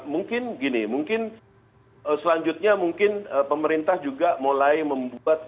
mungkin gini mungkin selanjutnya mungkin pemerintah juga mulai membuat